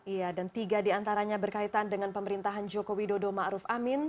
iya dan tiga diantaranya berkaitan dengan pemerintahan joko widodo ma'ruf amin